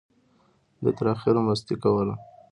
ده تر اخره مستۍ کولې.